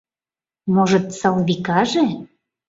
Можыт, Салвикаже?